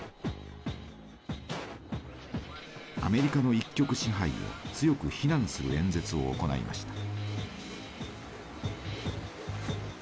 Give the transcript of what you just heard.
アメリカの一極支配を強く非難する演説を行いました。